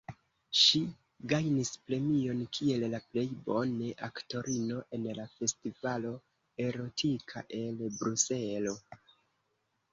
Ŝi gajnis premion kiel la plej bone aktorino en la Festivalo Erotika el Bruselo.